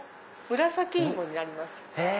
紫いもになります。